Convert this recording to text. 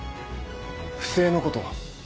不正のこと